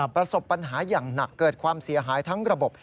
ประสบปัญหาอย่างหนักเกิดความเสียหายทั้งระบบ